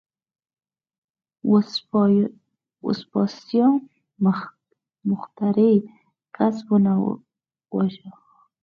وسپاسیان مخترع کس ونه واژه.